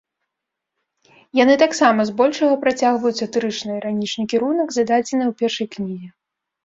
Яны таксама збольшага працягваюць сатырычна-іранічны кірунак, зададзены ў першай кнізе.